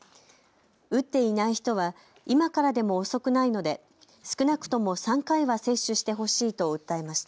打っていない人は今からでも遅くないので少なくとも３回は接種してほしいと訴えました。